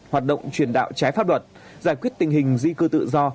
hoạt động truyền đạo trái pháp luật giải quyết tình hình di cư tự do